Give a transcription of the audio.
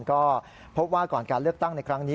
ก็พบว่าก่อนการเลือกตั้งในครั้งนี้